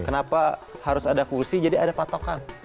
kenapa harus ada kursi jadi ada patokan